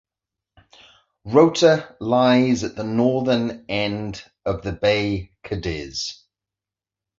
Rota lies at the northern end of the bay Cádiz.